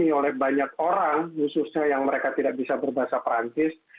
ini oleh banyak orang khususnya yang mereka tidak bisa berbahasa perancis